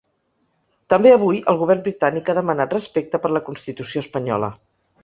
També avui el govern britànic ha demanat respecte per la constitució espanyola.